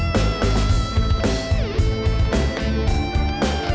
jangan aku mau sinis obat